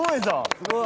すごい！